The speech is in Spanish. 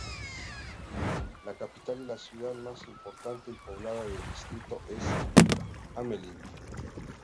La capital y la ciudad más importante y poblada del distrito es Hamelín.